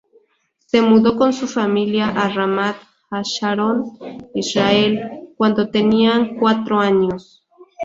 Se mudó con su familia a Ramat Hasharon, Israel, cuando tenía cuatro años.